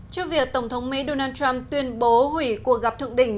trước việc tổng thống mỹ donald trump tuyên bố hủy cuộc gặp thượng đỉnh